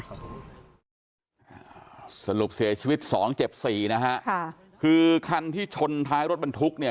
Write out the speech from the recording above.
สรุปเสียชีวิตสองเจ็บสี่นะฮะค่ะคือคันที่ชนท้ายรถบรรทุกเนี่ย